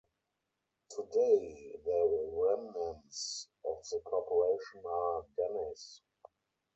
Today the remnants of the corporation are Denny's.